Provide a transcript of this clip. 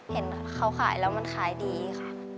เห็นเขาขายแล้วมันขายดีค่ะ